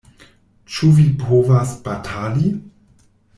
Ĉu vi povas batali?